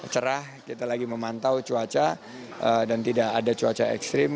cerah kita lagi memantau cuaca dan tidak ada cuaca ekstrim